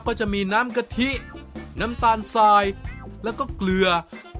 ก็จะมีน้ำกะทิน้ำตาลทรายแล้วก็เกลือ